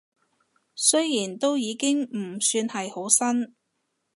雖然都已經唔算係好新